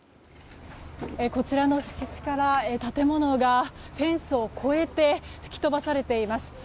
こちらの敷地から、建物がフェンスを越えて吹き飛ばされています。